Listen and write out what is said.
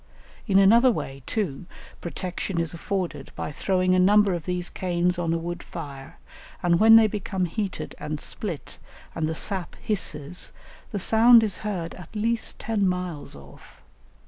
In another way, too, protection is afforded by throwing a number of these canes on a wood fire, and when they become heated and split, and the sap hisses, the sound is heard at least ten miles off.